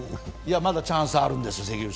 まだチャンスあるんです。